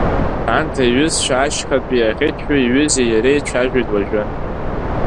Анҭ аиҩызцәа ашьхатәи аӷьычҩы иҩызеи иареи цәажәоит уажәы.